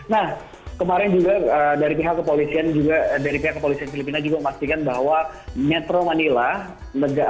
nah kemarin juga dari pihak kepolisian juga dari pihak kepolisian filipina juga memastikan bahwa metro manila negara